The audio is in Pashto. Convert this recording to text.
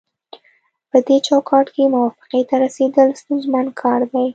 پدې چوکاټ کې موافقې ته رسیدل ستونزمن کار دی